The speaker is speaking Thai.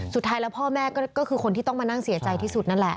สุดท้ายแล้วพ่อแม่ก็คือคนที่ต้องมานั่งเสียใจที่สุดนั่นแหละ